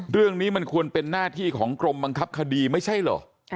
เรื่องนี้มันควรเป็นหน้าที่ของกรมบังคับคดีไม่ใช่เหรอ